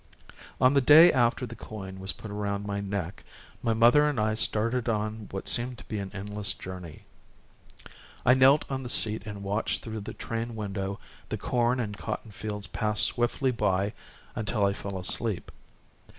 On the day after the coin was put around my neck my mother and I started on what seemed to me an endless journey. I knelt on the seat and watched through the train window the corn and cotton fields pass swiftly by until I fell asleep.